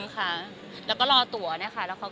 และก็รอตัวเขาก็ไม่ว่าอะไร